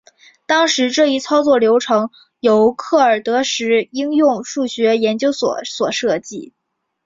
当时这一操作流程由克尔德什应用数学研究所所设计。